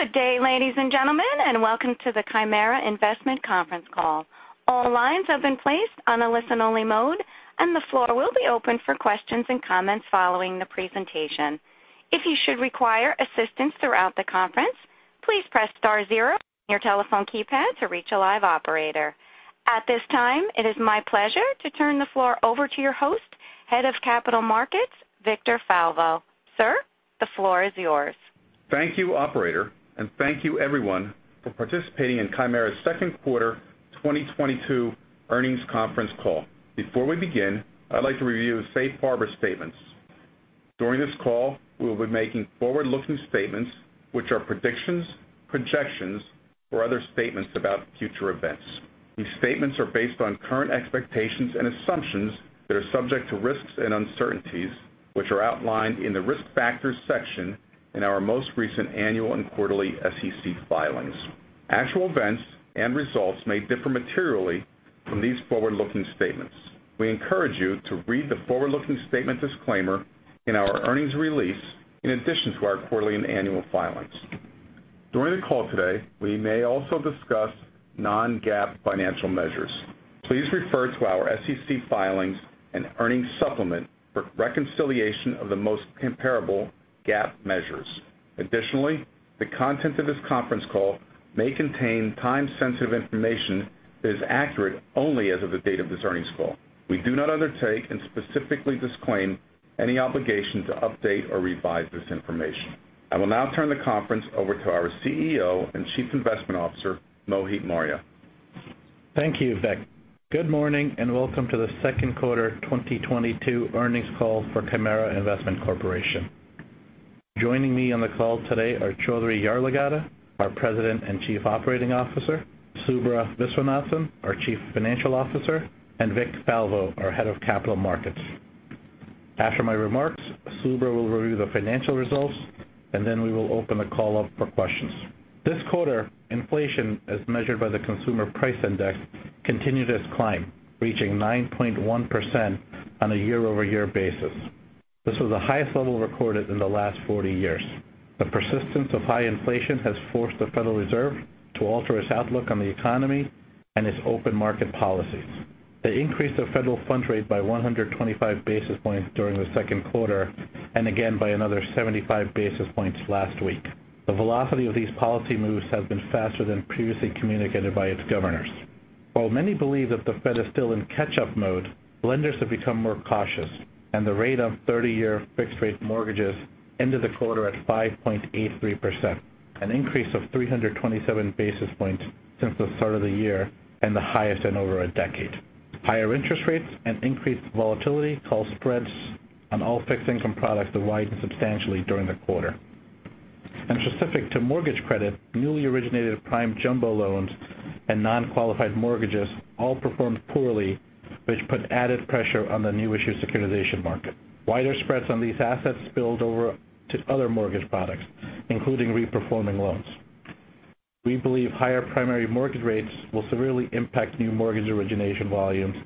Good day, ladies and gentlemen, and welcome to the Chimera Investment conference call. All lines have been placed on a listen-only mode, and the floor will be open for questions and comments following the presentation. If you should require assistance throughout the conference, please press star zero on your telephone keypad to reach a live operator. At this time, it is my pleasure to turn the floor over to your host, Head of Capital Markets, Victor Falvo. Sir, the floor is yours. Thank you, operator, and thank you everyone for participating in Chimera's second quarter 2022 earnings conference call. Before we begin, I'd like to review the safe harbor statements. During this call, we will be making forward-looking statements, which are predictions, projections, or other statements about future events. These statements are based on current expectations and assumptions that are subject to risks and uncertainties, which are outlined in the Risk Factors section in our most recent annual and quarterly SEC filings. Actual events and results may differ materially from these forward-looking statements. We encourage you to read the forward-looking statement disclaimer in our earnings release in addition to our quarterly and annual filings. During the call today, we may also discuss non-GAAP financial measures. Please refer to our SEC filings and earnings supplement for reconciliation of the most comparable GAAP measures. Additionally, the content of this conference call may contain time-sensitive information that is accurate only as of the date of this earnings call. We do not undertake and specifically disclaim any obligation to update or revise this information. I will now turn the conference over to our CEO and Chief Investment Officer, Mohit Marria. Thank you, Vic. Good morning and welcome to the second quarter 2022 earnings call for Chimera Investment Corporation. Joining me on the call today are Choudhary Yarlagadda, our President and Chief Operating Officer, Subra Viswanathan, our Chief Financial Officer, and Vic Falvo, our Head of Capital Markets. After my remarks, Subra will review the financial results, and then we will open the call up for questions. This quarter, inflation, as measured by the Consumer Price Index, continued its climb, reaching 9.1% on a year-over-year basis. This was the highest level recorded in the last 40 years. The persistence of high inflation has forced the Federal Reserve to alter its outlook on the economy and its open market policies. They increased their federal funds rate by 125 basis points during the second quarter and again by another 75 basis points last week. The velocity of these policy moves has been faster than previously communicated by its governors. While many believe that the Fed is still in catch-up mode, lenders have become more cautious and the rate of thirty-year fixed-rate mortgages ended the quarter at 5.83%, an increase of 327 basis points since the start of the year and the highest in over a decade. Higher interest rates and increased volatility caused spreads on all fixed income products to widen substantially during the quarter. Specific to mortgage credit, newly originated prime jumbo loans and non-qualified mortgages all performed poorly, which put added pressure on the new issue securitization market. Wider spreads on these assets spilled over to other mortgage products, including reperforming loans. We believe higher primary mortgage rates will severely impact new mortgage origination volumes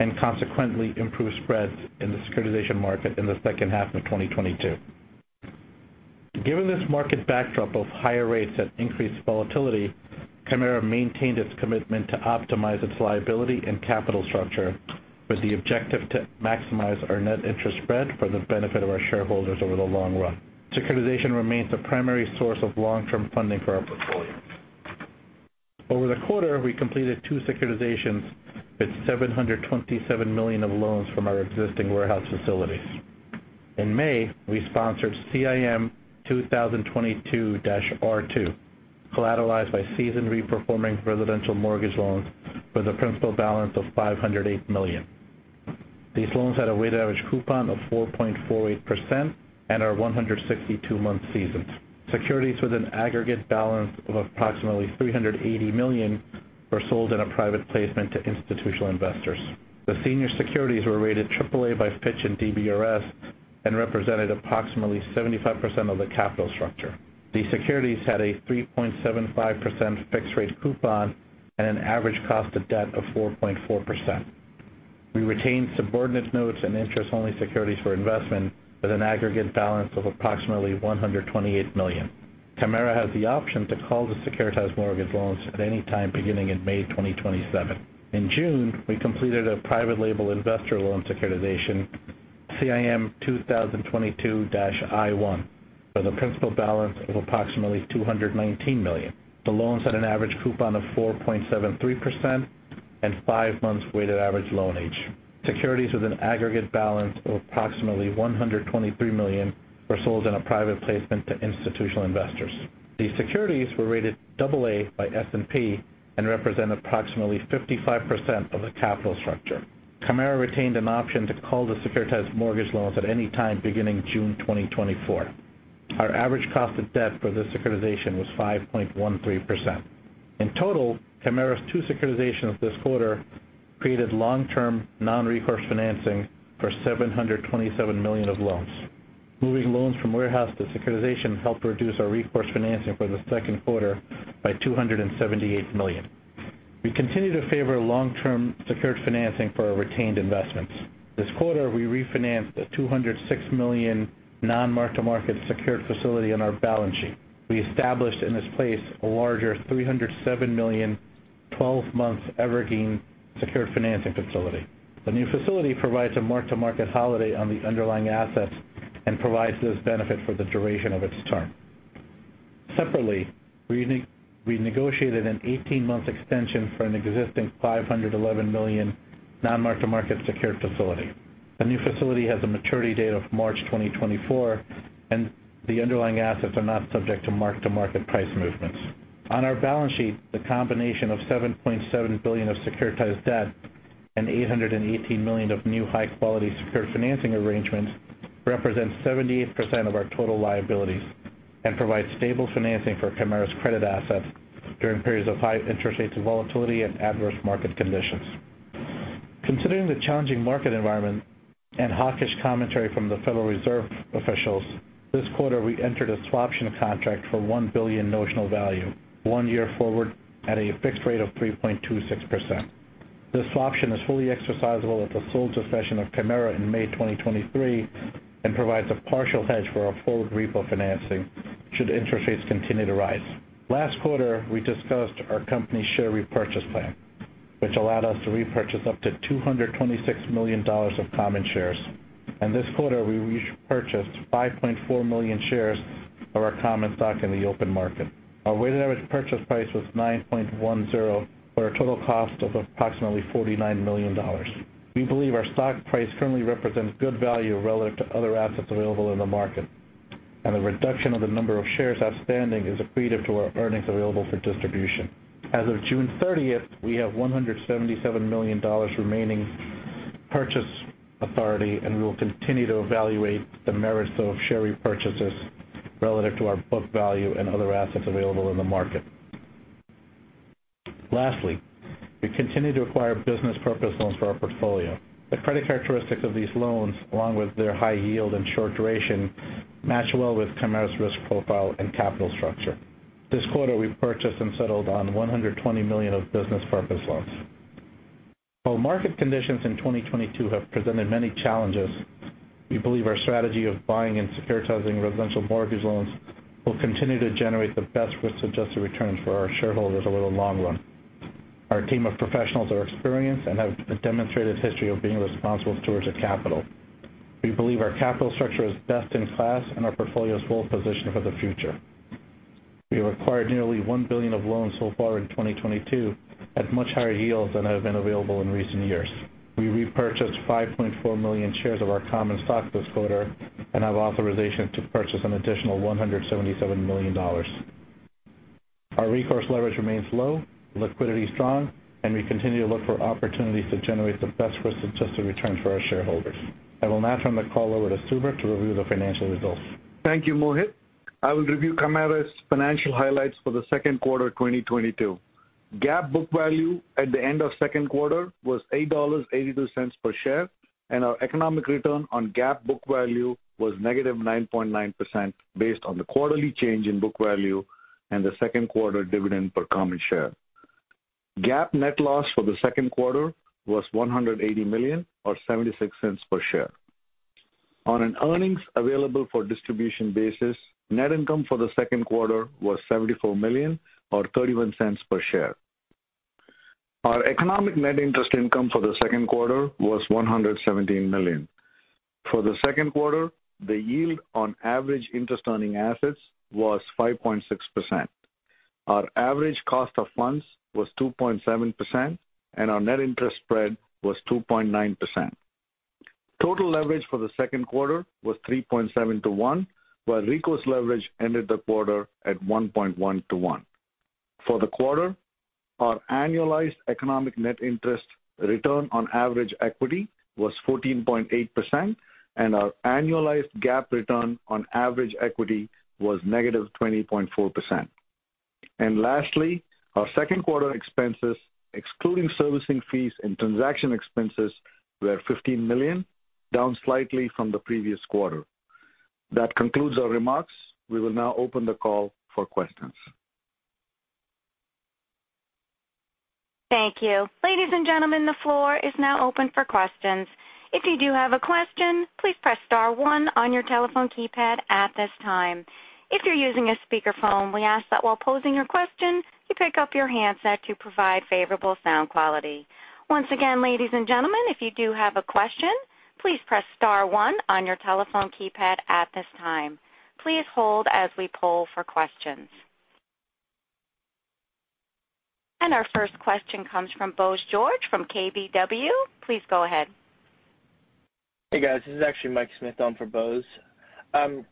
and consequently improve spreads in the securitization market in the second half of 2022. Given this market backdrop of higher rates and increased volatility, Chimera maintained its commitment to optimize its liability and capital structure with the objective to maximize our net interest spread for the benefit of our shareholders over the long run. Securitization remains the primary source of long-term funding for our portfolio. Over the quarter, we completed two securitizations with $727 million of loans from our existing warehouse facilities. In May, we sponsored CIM 2022-R2, collateralized by seasoned reperforming residential mortgage loans with a principal balance of $508 million. These loans had a weighted average coupon of 4.48% and are 162 months seasoned. Securities with an aggregate balance of approximately $380 million were sold in a private placement to institutional investors. The senior securities were rated AAA by Fitch and DBRS and represented approximately 75% of the capital structure. These securities had a 3.75% fixed rate coupon and an average cost of debt of 4.4%. We retained subordinate notes and interest-only securities for investment with an aggregate balance of approximately $128 million. Chimera has the option to call the securitized mortgage loans at any time beginning in May 2027. In June, we completed a private label investor loan securitization, CIM 2022-I1, with a principal balance of approximately $219 million. The loans had an average coupon of 4.73% and 5 months weighted average loan age. Securities with an aggregate balance of approximately $123 million were sold in a private placement to institutional investors. These securities were rated double A by S&P and represent approximately 55% of the capital structure. Chimera retained an option to call the securitized mortgage loans at any time beginning June 2024. Our average cost of debt for this securitization was 5.13%. In total, Chimera's two securitizations this quarter created long-term non-recourse financing for $727 million of loans. Moving loans from warehouse to securitization helped reduce our recourse financing for the second quarter by $278 million. We continue to favor long-term secured financing for our retained investments. This quarter, we refinanced a $206 million non-mark-to-market secured facility on our balance sheet. We established in its place a larger $307 million 12-month evergreen secured financing facility. The new facility provides a mark-to-market holiday on the underlying assets and provides this benefit for the duration of its term. Separately, we negotiated an 18-month extension for an existing $511 million non-mark-to-market secured facility. The new facility has a maturity date of March 2024, and the underlying assets are not subject to mark-to-market price movements. On our balance sheet, the combination of $7.7 billion of securitized debt and $818 million of new high quality secured financing arrangements represents 78% of our total liabilities and provides stable financing for Chimera's credit assets during periods of high interest rates and volatility and adverse market conditions. Considering the challenging market environment and hawkish commentary from the Federal Reserve officials, this quarter we entered a swap option contract for $1 billion notional value one year forward at a fixed rate of 3.26%. This swap option is fully exercisable at the sole discretion of Chimera in May 2023 and provides a partial hedge for our full repo financing should interest rates continue to rise. Last quarter, we discussed our company share repurchase plan, which allowed us to repurchase up to $226 million of common shares. This quarter, we repurchased 5.4 million shares of our common stock in the open market. Our weighted average purchase price was $9.10 for a total cost of approximately $49 million. We believe our stock price currently represents good value relative to other assets available in the market, and the reduction of the number of shares outstanding is accretive to our earnings available for distribution. As of June thirtieth, we have $177 million remaining purchase authority, and we will continue to evaluate the merits of share repurchases relative to our book value and other assets available in the market. Lastly, we continue to acquire business purpose loans for our portfolio. The credit characteristics of these loans, along with their high yield and short duration, match well with Chimera's risk profile and capital structure. This quarter, we purchased and settled on $120 million of business purpose loans. While market conditions in 2022 have presented many challenges, we believe our strategy of buying and securitizing residential mortgage loans will continue to generate the best risk-adjusted returns for our shareholders over the long run. Our team of professionals are experienced and have a demonstrated history of being responsible stewards of capital. We believe our capital structure is best in class, and our portfolio is well-positioned for the future. We acquired nearly $1 billion of loans so far in 2022 at much higher yields than have been available in recent years. We repurchased 5.4 million shares of our common stock this quarter and have authorization to purchase an additional $177 million. Our recourse leverage remains low, liquidity strong, and we continue to look for opportunities to generate the best risk-adjusted return for our shareholders. I will now turn the call over to Subra to review the financial results. Thank you, Mohit. I will review Chimera's financial highlights for the second quarter 2022. GAAP book value at the end of second quarter was $8.82 per share, and our economic return on GAAP book value was -9.9% based on the quarterly change in book value and the second quarter dividend per common share. GAAP net loss for the second quarter was $180 million or $0.76 per share. On earnings available for distribution basis, net income for the second quarter was $74 million or $0.31 per share. Our economic net interest income for the second quarter was $117 million. For the second quarter, the yield on average interest earning assets was 5.6%. Our average cost of funds was 2.7%, and our net interest spread was 2.9%. Total leverage for the second quarter was 3.7 to 1, while recourse leverage ended the quarter at 1.1 to 1. For the quarter, our annualized economic net interest return on average equity was 14.8%, and our annualized GAAP return on average equity was -20.4%. Lastly, our second quarter expenses, excluding servicing fees and transaction expenses, were $15 million, down slightly from the previous quarter. That concludes our remarks. We will now open the call for questions. Thank you. Ladies and gentlemen, the floor is now open for questions. If you do have a question, please press star one on your telephone keypad at this time. If you're using a speakerphone, we ask that while posing your question, you pick up your handset to provide favorable sound quality. Once again, ladies and gentlemen, if you do have a question, please press star one on your telephone keypad at this time. Please hold as we poll for questions. Our first question comes from Bose George from KBW. Please go ahead. Hey, guys. This is actually Mike Smyth on for Bose.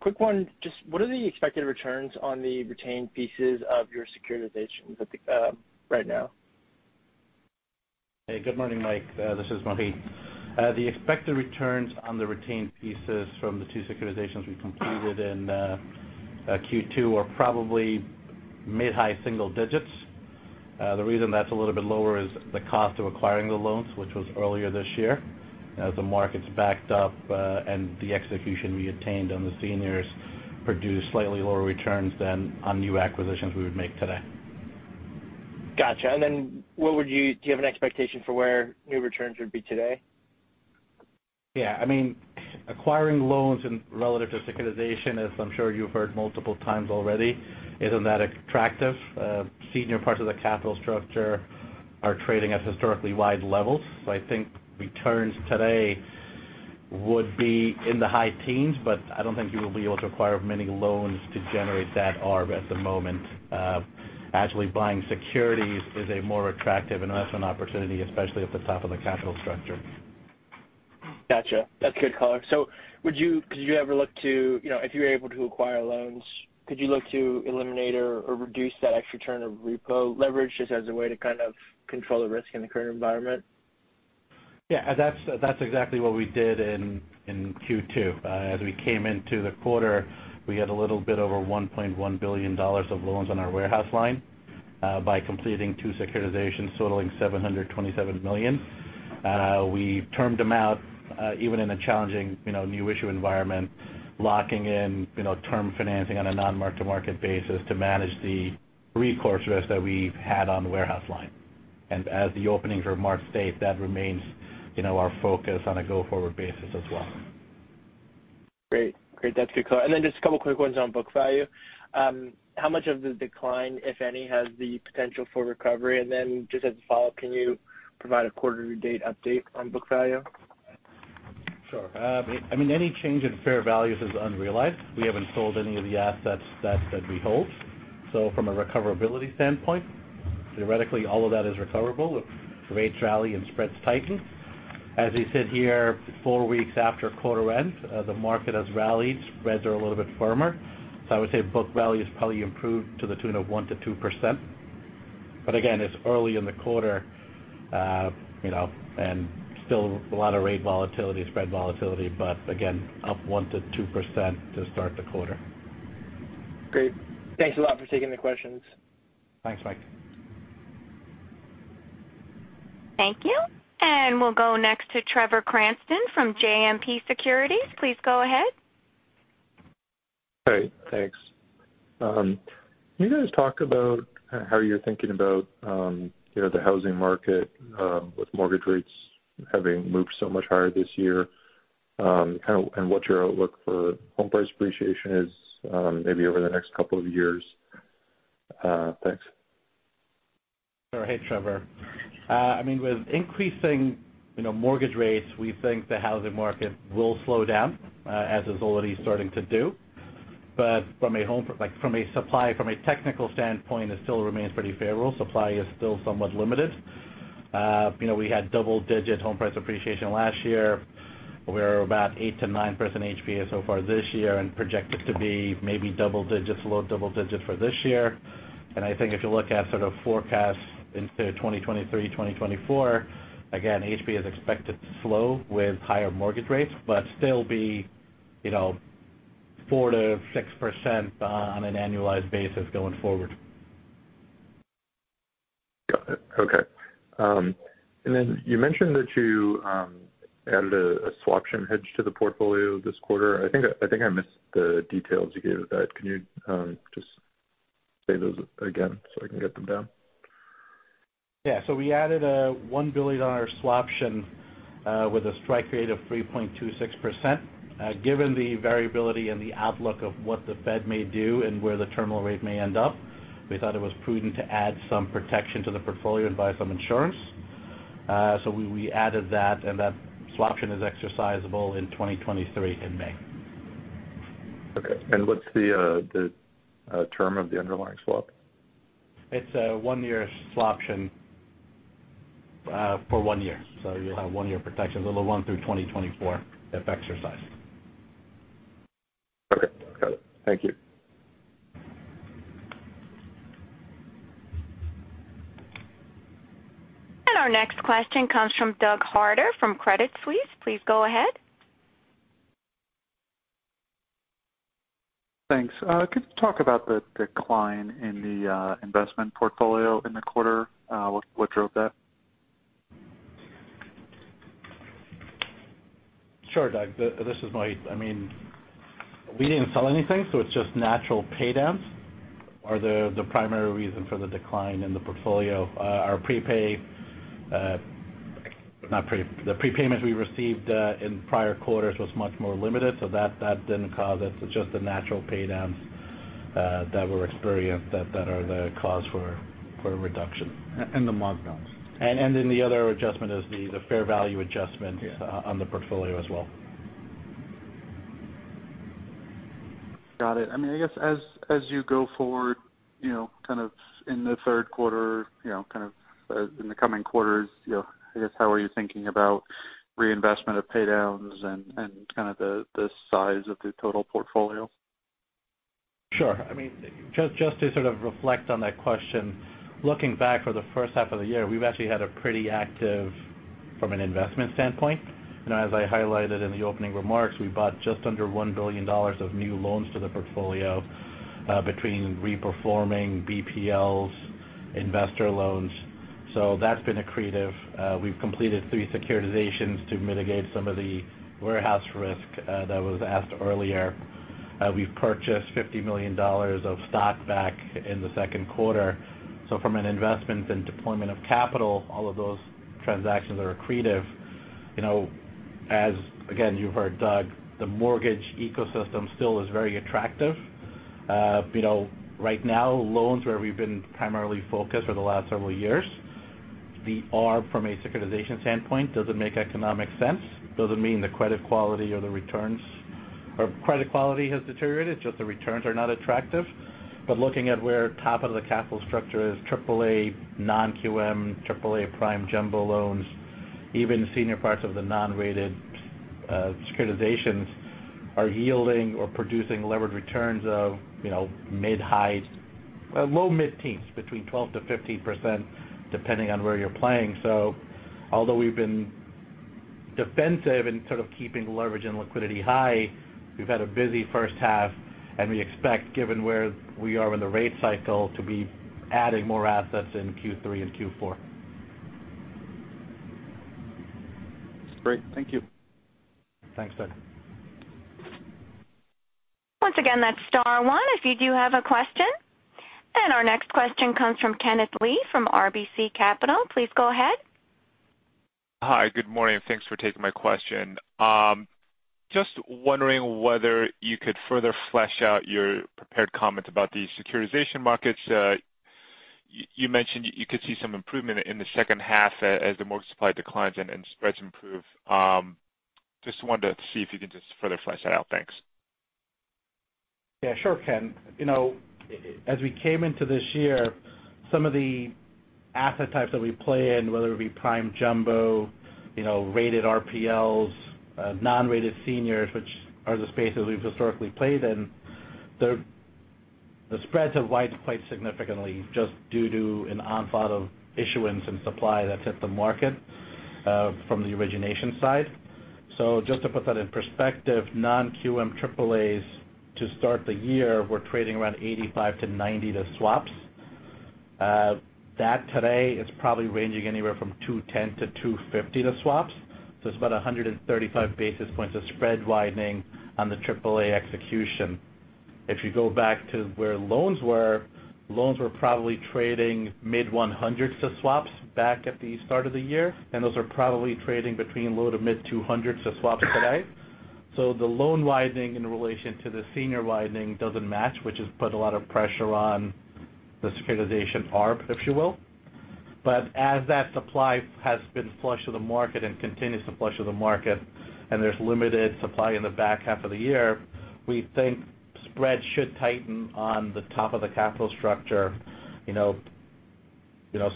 Quick one. Just what are the expected returns on the retained pieces of your securitizations at the moment right now? Hey, good morning, Mike. This is Mohit. The expected returns on the retained pieces from the 2 securitizations we completed in Q2 are probably mid high single digits. The reason that's a little bit lower is the cost of acquiring the loans, which was earlier this year. As the markets backed up and the execution we obtained on the seniors produced slightly lower returns than on new acquisitions we would make today. Gotcha. Do you have an expectation for where new returns would be today? Yeah. I mean, acquiring loans in relation to securitization, as I'm sure you've heard multiple times already, isn't that attractive. Senior parts of the capital structure are trading at historically wide levels. I think returns today would be in the high teens, but I don't think you will be able to acquire many loans to generate that arb at the moment. Actually buying securities is a more attractive investment opportunity, especially at the top of the capital structure. Gotcha. That's good color. Could you ever look to, you know, if you're able to acquire loans, could you look to eliminate or reduce that extra turn of repo leverage just as a way to kind of control the risk in the current environment? Yeah. That's exactly what we did in Q2. As we came into the quarter, we had a little bit over $1.1 billion of loans on our warehouse line. By completing two securitizations totaling $727 million, we termed them out, even in a challenging, you know, new issue environment, locking in, you know, term financing on a non-mark-to-market basis to manage the recourse risk that we've had on the warehouse line. As the opening remarks state, that remains, you know, our focus on a go-forward basis as well. Great. That's good color. Just a couple quick ones on book value. How much of the decline, if any, has the potential for recovery? Just as a follow-up, can you provide a quarter to date update on book value? Sure. I mean, any change in fair values is unrealized. We haven't sold any of the assets that we hold. From a recoverability standpoint, theoretically all of that is recoverable if rates rally and spreads tighten. As we sit here four weeks after quarter end, the market has rallied. Spreads are a little bit firmer. I would say book value is probably improved to the tune of 1%-2%. Again, it's early in the quarter, you know, and still a lot of rate volatility, spread volatility but again up 1%-2% to start the quarter. Great. Thanks a lot for taking the questions. Thanks, Mike. Thank you. We'll go next to Trevor Cranston from JMP Securities. Please go ahead. Great. Thanks. Can you guys ta lk about how you're thinking about, you know, the housing market, with mortgage rates having moved so much higher this year, kind of, and what your outlook for home price appreciation is, maybe over the next couple of years? Thanks. Sure. Hey, Trevor. I mean, with increasing, you know, mortgage rates, we think the housing market will slow down, as it's already starting to do. But like from a supply, from a technical standpoint, it still remains pretty favorable. Supply is still somewhat limited. You know, we had double-digit home price appreciation last year. We're about 8%-9% HPA so far this year and projected to be maybe double digits, low double digits for this year. I think if you look at sort of forecasts into 2023, 2024, again, HPA is expected to slow with higher mortgage rates, but still be, you know, 4%-6% on an annualized basis going forward. Got it. Okay. You mentioned that you added a swaption hedge to the portfolio this quarter. I think I missed the details you gave of that. Can you just say those again so I can get them down? Yeah. We added $1 billion on our swaption with a strike rate of 3.26%. Given the variability and the outlook of what the Fed may do and where the terminal rate may end up, we thought it was prudent to add some protection to the portfolio and buy some insurance. We added that, and that swaption is exercisable in 2023 in May. Okay. What's the term of the underlying swap? It's a one-year swaption for one year. You'll have one year protection. It'll run through 2024 if exercised. Okay. Got it. Thank you. Our next question comes from Doug Harter from Credit Suisse. Please go ahead. Thanks. Could you talk about the decline in the investment portfolio in the quarter? What drove that? Sure, Doug. This is Mohit. I mean, we didn't sell anything, so it's just natural pay downs are the primary reason for the decline in the portfolio. Our prepayments we received in prior quarters was much more limited, so that didn't cause it. It's just the natural pay downs that were experienced that are the cause for a reduction. The markdowns. The other adjustment is the fair value adjustment. Yeah. on the portfolio as well. Got it. I mean, I guess as you go forward, you know, kind of in the third quarter, you know, kind of, in the coming quarters, you know, I guess how are you thinking about reinvestment of pay downs and, kind of the size of the total portfolio? Sure. I mean, just to sort of reflect on that question, looking back for the first half of the year, we've actually had a pretty active from an investment standpoint. You know, as I highlighted in the opening remarks, we bought just under $1 billion of new loans to the portfolio, between reperforming BPLs, investor loans. So that's been accretive. We've completed three securitizations to mitigate some of the warehouse risk, that was asked earlier. We've purchased $50 million of stock back in the second quarter. So from an investment and deployment of capital, all of those transactions are accretive. You know, as, again, you've heard Doug, the mortgage ecosystem still is very attractive. You know, right now, loans where we've been primarily focused for the last several years, the RPL from a securitization standpoint doesn't make economic sense, doesn't mean the credit quality or the returns or credit quality has deteriorated, just the returns are not attractive. But looking at where top of the capital structure is AAA, non-QM, AAA prime jumbo loans, even senior parts of the non-rated securitizations are yielding or producing levered returns of, you know, mid high, low mid-teens, between 12%-15%, depending on where you're playing. Although we've been defensive in sort of keeping leverage and liquidity high, we've had a busy first half, and we expect, given where we are in the rate cycle, to be adding more assets in Q3 and Q4. Great. Thank you. Thanks, Doug. Once again, that's star one if you do have a question. Our next question comes from Kenneth Lee from RBC Capital. Please go ahead. Hi, good morning. Thanks for taking my question. Just wondering whether you could further flesh out your prepared comments about the securitization markets. You mentioned you could see some improvement in the second half, as the mortgage supply declines and spreads improve. Just wanted to see if you can just further flesh that out. Thanks. Yeah, sure, Ken. You know, as we came into this year, some of the asset types that we play in, whether it be prime jumbo, you know, rated RPLs, non-rated seniors, which are the spaces we've historically played in, the spreads have widened quite significantly just due to an onslaught of issuance and supply that's hit the market from the origination side. So just to put that in perspective, non-QM AAA to start the year were trading around 85-90 to swaps. That today is probably ranging anywhere from 210-250 to swaps. So it's about 135 basis points of spread widening on the AAA execution. If you go back to where loans were, loans were probably trading mid-100s to swaps back at the start of the year, and those are probably trading between low- to mid-200s to swaps today. The loan widening in relation to the senior widening doesn't match, which has put a lot of pressure on the securitization arm, if you will. As that supply has been flushed to the market and continues to flush to the market, and there's limited supply in the back half of the year, we think spreads should tighten on the top of the capital structure. You know,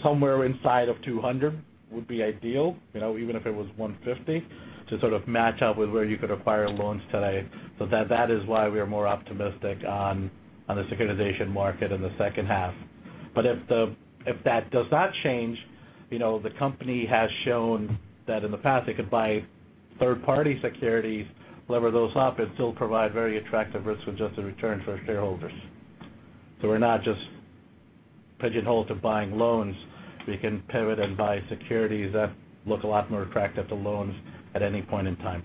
somewhere inside of 200 would be ideal, you know, even if it was 150, to sort of match up with where you could acquire loans today. That is why we are more optimistic on the securitization market in the second half. If that does not change, you know, the company has shown that in the past, it could buy third-party securities, leverage those up and still provide very attractive risk-adjusted returns for shareholders. We're not just pigeonholed to buying loans. We can pivot and buy securities that look a lot more attractive than loans at any point in time.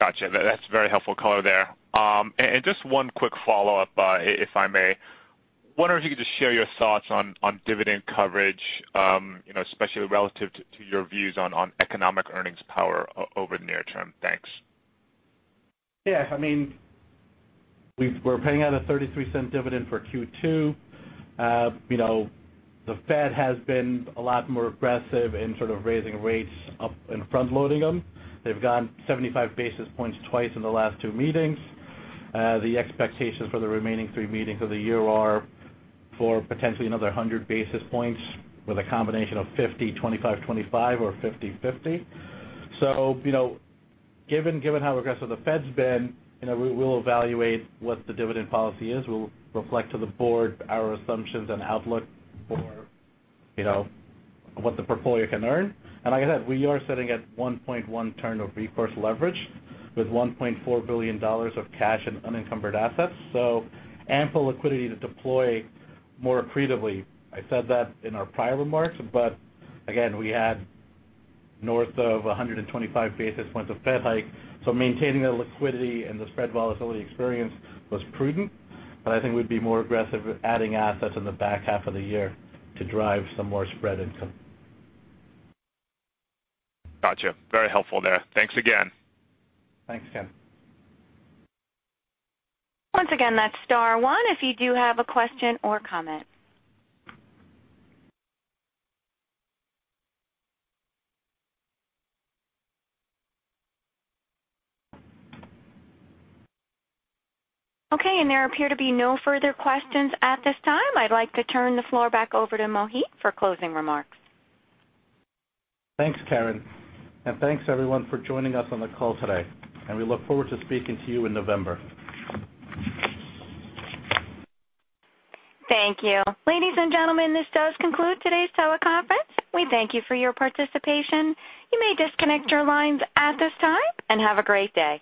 Gotcha. That's a very helpful color there. Just one quick follow-up, if I may. Wondering if you could just share your thoughts on dividend coverage, you know, especially relative to your views on economic earnings power over the near term? Thanks. Yeah. I mean, we're paying out a $0.33 dividend for Q2. You know, the Fed has been a lot more aggressive in sort of raising rates up and front-loading them. They've gone 75 basis points twice in the last two meetings. The expectations for the remaining three meetings of the year are for potentially another 100 basis points with a combination of 50, 25 or 50. You know, given how aggressive the Fed's been, you know, we'll evaluate what the dividend policy is. We'll reflect to the board our assumptions and outlook for, you know, what the portfolio can earn. Like I said, we are sitting at 1.1 turnover recourse leverage with $1.4 billion of cash in unencumbered assets. So ample liquidity to deploy more accretively. I said that in our prior remarks, but again, we had north of 125 basis points of Fed hike. Maintaining the liquidity and the spread volatility experience was prudent, but I think we'd be more aggressive with adding assets in the back half of the year to drive some more spread income. Gotcha. Very helpful there. Thanks again. Thanks, Ken. Once again, that's star one if you do have a question or comment. Okay, there appear to be no further questions at this time. I'd like to turn the floor back over to Mohit for closing remarks. Thanks, Karen. Thanks everyone for joining us on the call today. We look forward to speaking to you in November. Thank you. Ladies and gentlemen, this does conclude today's teleconference. We thank you for your participation. You may disconnect your lines at this time and have a great day.